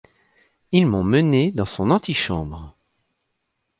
Ils m'ont mené dans son antichambre.